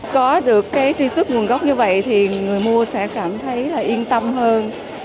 có được truy xuất nguồn gốc như vậy thì người mua sẽ cảm thấy yên tâm hơn